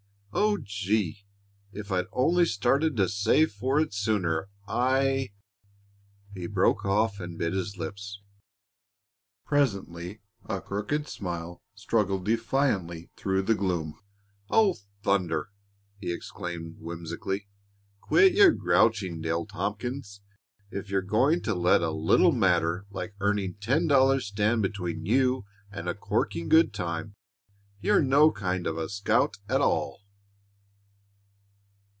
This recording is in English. "Oh, gee! If I'd only started to save for it sooner, I " He broke off and bit his lips. Presently a crooked smile struggled defiantly through the gloom. "Oh, thunder!" he exclaimed whimsically. "Quit your grouching, Dale Tompkins. If you're going to let a little matter like earning ten dollars stand between you and a corking good time, you're no kind of a scout at all."